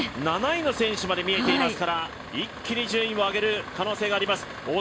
７位の選手まで見えていますから一気に順位を上げる可能性があります。